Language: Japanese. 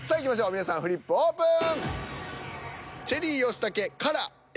皆さんフリップオープン！